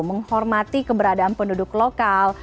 menghormati keberadaan penduduk lokal